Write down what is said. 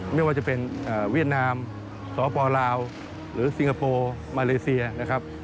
ไม่ว่าจะเป็นเวียดนามสปลาวหรือซิงคโปร์มาเลเซียนะครับ